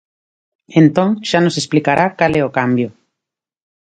Entón xa nos explicará cal é o cambio.